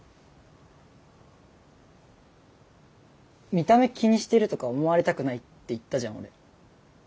見た目気にしてるとか思われたくないって言ったじゃん俺。